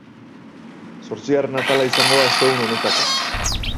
Zortzigarren atala izango da ostegun honetakoa.